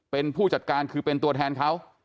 เป็นผู้จัดการคือเป็นตัวแทนเขา